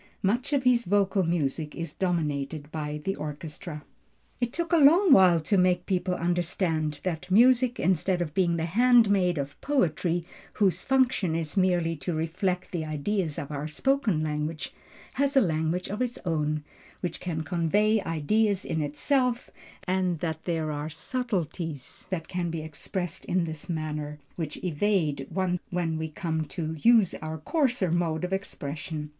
Much of his vocal music is dominated by the orchestra. It took a long while to make people understand that music instead of being the handmaid of poetry, whose function is merely to reflect the ideas of our spoken language, has a language of its own, which can convey ideas in itself, and that there are subtilties that can be expressed in this manner, which evade one when we come to use our coarser mode of expression.